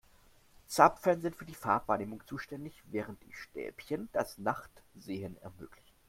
Zapfen sind für die Farbwahrnehmung zuständig, während die Stäbchen das Nachtsehen ermöglichen.